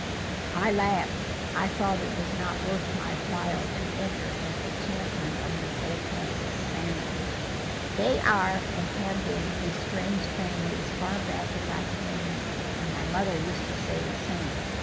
I laughed. I thought it was not worth my while to enter as the champion of Miss Oldcastle's sanity. "They are, and have been, a strange family as far back as I can remember; and my mother used to say the same.